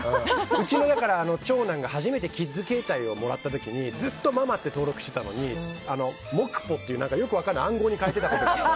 うちの長男が初めてキッズ携帯をもらった時にずっとママって登録してたのにもくぽっていうよく分かんない暗号に変えてた。